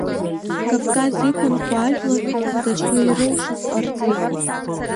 Кавказ иқәынхо ажәларқәа дасу ирылшоз ҟарҵеит.